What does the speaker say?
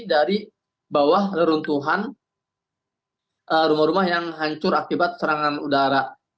dari bawah reruntuhan rumah rumah yang hancur akibat serangan udara